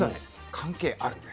関係あるんです。